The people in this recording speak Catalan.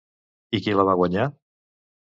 I qui la va guanyar?